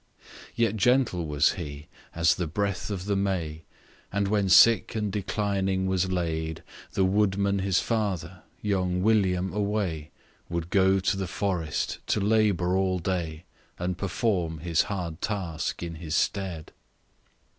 Yet gentle was he, as the breath of the May, And when sick and declining was laid The woodman his father, young William away Would go to the forest to labour all day, And perform his hard task in his stead.